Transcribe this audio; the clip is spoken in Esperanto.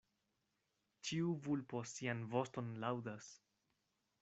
Ĉiu vulpo sian voston laŭdas.